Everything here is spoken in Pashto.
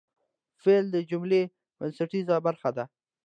فعل د جملې بنسټیزه برخه ده.